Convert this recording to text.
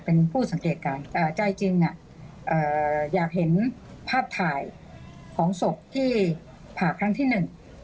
เป็นผู้สังเกตการณ์ใจจริงอยากเห็นภาพถ่ายของศพที่ผ่าครั้งที่หนึ่ง